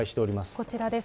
こちらです。